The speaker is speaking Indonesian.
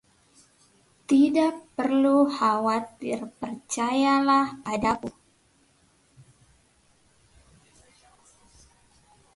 Tidak perlu khawatir, percayalah padaku.